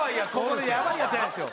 俺やばいヤツじゃないんですよ。